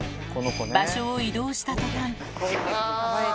場所を移動したとたん。